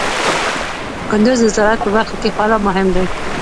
کندز د زراعت په برخه کې خورا مهم دی.